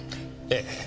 ええ。